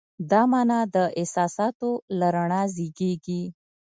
دا مانا د احساساتو له رڼا زېږېږي.